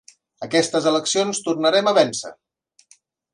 Aquestes eleccions tornarem a vèncer!